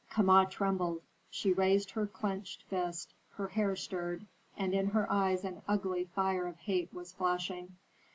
Kama trembled. She raised her clinched fist, her hair stirred, and in her eyes an ugly fire of hate was flashing.